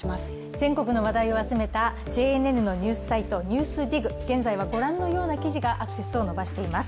全国の話題を集めたＪＮＮのニュースサイト「ＮＥＷＳＤＩＧ」、現在はご覧のような記事がアクセスを伸ばしています